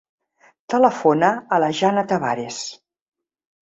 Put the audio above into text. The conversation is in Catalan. Telefona a la Janna Tabares.